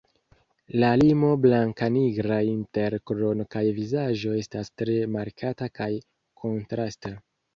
La limo blankanigra inter krono kaj vizaĝo estas tre markata kaj kontrasta.